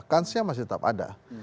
kansnya masih tetap ada